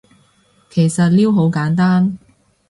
其實撩好簡單